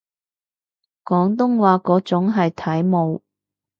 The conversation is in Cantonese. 廣東話嗰種係體貌